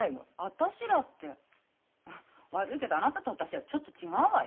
「私ら」って悪いけどあなたと私はちょっと違うわよ。